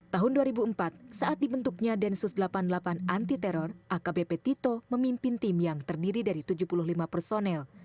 tahun dua ribu empat saat dibentuknya densus delapan puluh delapan anti teror akbp tito memimpin tim yang terdiri dari tujuh puluh lima personel